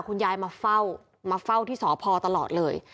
คุณยายมาเฝ้ามาเฝ้าที่สพตลอดเลย